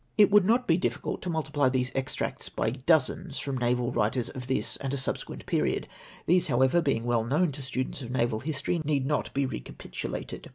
It would not be difficult to multiply these extracts by dozens from naval writers of tliis and a subsequent pei'ie>d. These, however, being "well known to students of naval history, need not be recapitulated.